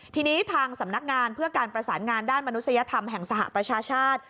ทีนี้ทางสำนักงานเพื่อการประสานงานด้านมนุษยธรรมแห่งสหประชาชาติ